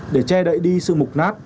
để che đậy đi sự mục nát